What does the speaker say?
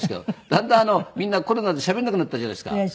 だんだんみんなコロナでしゃべらなくなったじゃないですか。